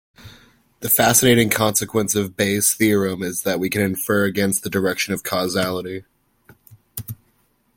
The fascinating consequence of Bayes' theorem is that we can infer against the direction of causality.